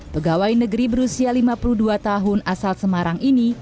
pegawai negeri berusia lima puluh dua tahun asal semarang ini